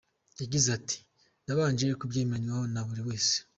Yagize ati “Nabanje kubyemeranywaho na buri wese.